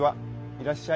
いらっしゃい。